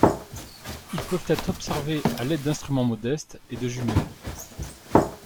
Ils peuvent être observés à l'aide d'instruments modestes et de jumelles.